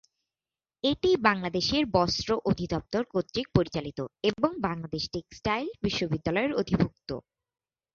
এটি বাংলাদেশ বস্ত্র অধিদপ্তর কর্তৃক পরিচালিত এবং বাংলাদেশ টেক্সটাইল বিশ্ববিদ্যালয়ের অধিভুক্ত।